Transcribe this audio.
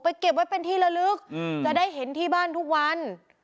เก็บไว้เป็นที่ละลึกจะได้เห็นที่บ้านทุกวัน